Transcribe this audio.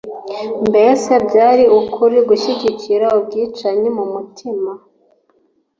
Mbese byari ukuri gushyigikira ubwicanyi mu mutima,